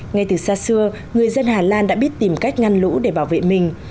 ngay từ xa xưa người dân hà lan đã biết tìm cách ngăn lũ để bảo vệ mình